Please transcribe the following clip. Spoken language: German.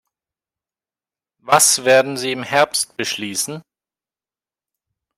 Was werden Sie im Herbst beschließen?